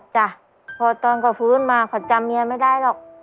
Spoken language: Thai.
จ้ะพอตอนเขาฟื้นมาเขาจำเมียไม่ได้หรอก